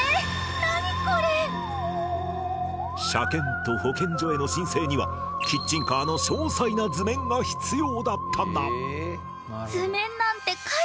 車検と保健所への申請にはキッチンカーの詳細な図面が必要だったんだ。